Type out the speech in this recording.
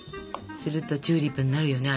するとチューリップになるよね